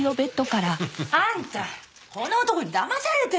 あんたこの男にだまされてるのよ！